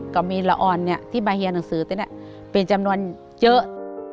ก็มีละออนที่บาเฮียหนังสือเต้นเป็นจำนวนเยอะ